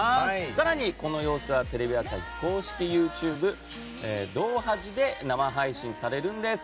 更にこの様子はテレビ朝日公式ＹｏｕＴｕｂｅ「動はじ」で生配信されるんです。